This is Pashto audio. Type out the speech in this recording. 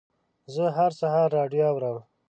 زه هر سهار راډیو اورم.